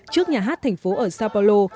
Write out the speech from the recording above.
trước nhà hát thành phố ở sao paulo